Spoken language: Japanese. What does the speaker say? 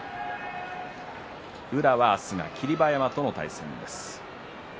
宇良は明日は霧馬山との対戦です。